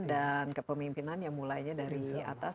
dan kepemimpinan yang mulainya dari atas